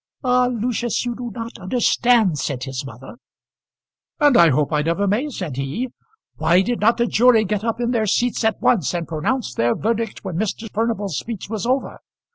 "Ah! Lucius, you do not understand," said his mother. "And I hope I never may," said he. "Why did not the jury get up in their seats at once and pronounce their verdict when Mr. Furnival's speech was over?